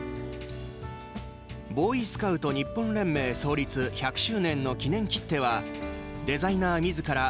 ボーイスカウト日本連盟創立１００周年の記念切手はデザイナーみずから